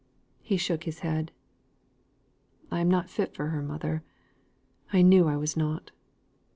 He shook his head. "I am not fit for her, mother; I knew I was not."